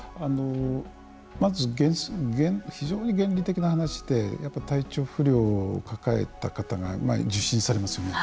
まず非常に原理的な話でやっぱり体調不良を抱えた方が受診されますよね。